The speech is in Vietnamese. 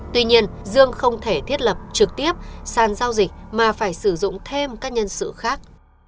tuy nhiên dương không thể thiết lập trực tiếp sàn giao dịch mà phải sử dụng thêm các nhân sự khác